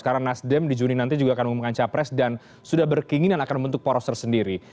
karena nasdem di juni nanti juga akan memungkinkan capres dan sudah berkinginan akan membentuk poros tersendiri